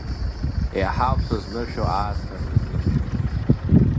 Еиҳауп сызнышәо аасҭа сызнымшәо…